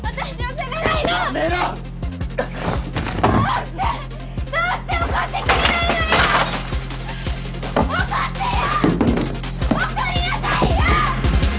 怒りなさいよ！！